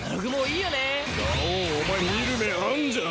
ガオーンお前見る目あんじゃん！